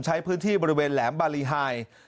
ใช้พื้นที่บริเวณแหลมบารีไฮ